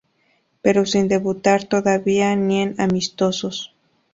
Pero sin debutar todavía ni en amistosos.